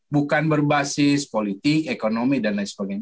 bukan berbasis politik ekonomi dan lain sebagainya